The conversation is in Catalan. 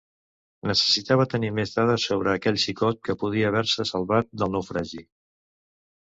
Necessitava tenir més dades sobre aquell xicot que podria haver-se salvat del naufragi.